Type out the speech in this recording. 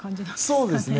そうですね。